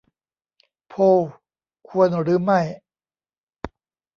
โพล ควรหรือไม่